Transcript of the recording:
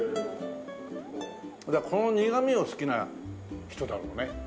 この苦みを好きな人だろうね